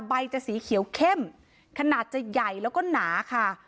ใบจะสีเขียวเข้มขนาดจะใหญ่แล้วก็หนาค่ะ